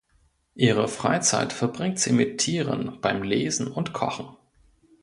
Ihre Freizeit verbringt sie mit Tieren, beim Lesen und Kochen.